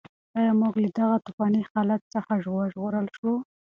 ایا موږ له دغه توپاني حالت څخه وژغورل شوو؟